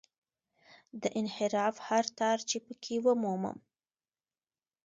د انحراف هر تار چې په کې ومومم.